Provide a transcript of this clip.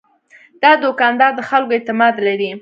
دا دوکاندار د خلکو اعتماد لري.